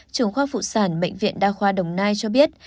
trưởng khoa phụ sản bệnh viện đa khoa đồng nai cho biết